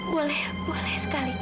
boleh boleh boleh sekali